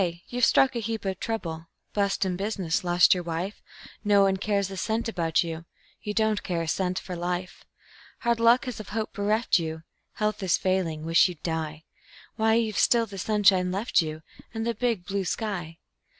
You've struck a heap of trouble Bust in business, lost your wife; No one cares a cent about you, You don't care a cent for life; Hard luck has of hope bereft you, Health is failing, wish you'd die Why, you've still the sunshine left you And the big, blue sky.